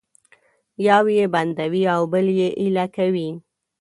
یو یې بندوي او بل یې ایله کوي